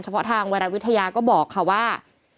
เฉพาะทางวัยรัฐวิทยาก็บอกค่ะว่า